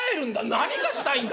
何がしたいんだ？